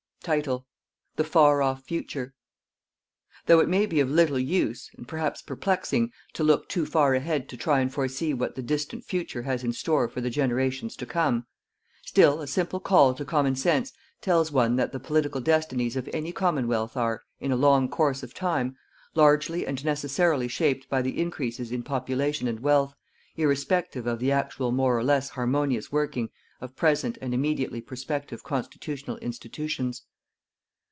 THE FAR OFF FUTURE. Though it may be of little use, and perhaps perplexing, to look too far ahead to try and foresee what the distant future has in store for the generations to come, still a simple call to common sense tells one that the political destinies of any Commonwealth are, in a long course of time, largely and necessarily shaped by the increases in population and wealth, irrespective of the actual more or less harmonious working of present and immediately prospective constitutional institutions.